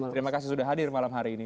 terima kasih sudah hadir malam hari ini